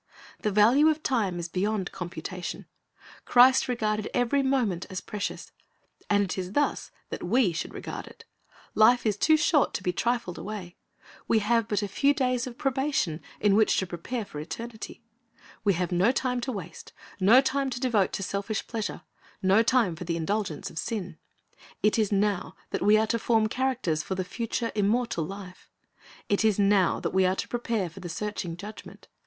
The value of time is beyond computation. Christ regarded every moment as precious, and it is thus that we should regard it. Life is too short to be trifled away. We have but a few days of probation in which to prepare for eternity. We have no time to waste, no time to devote to selfish pleasure, no time for the indulgence of sin. It is now that we are to form characters for the future, immortal life. It is now that we are to prepare for the searching Judgment.